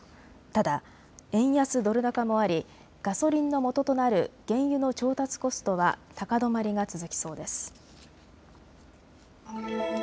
ただ円安ドル高もありガソリンのもととなる原油の調達コストは高止まりが続きそうです。